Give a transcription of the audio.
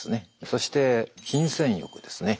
そして金銭欲ですね。